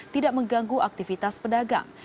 tidak mengganggu aktivitas pedagang